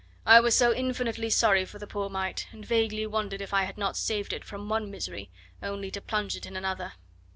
I was so infinitely sorry for the poor mite, and vaguely wondered if I had not saved it from one misery only to plunge it in another.